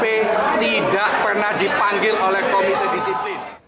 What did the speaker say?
bp tidak pernah dipanggil oleh komite disiplin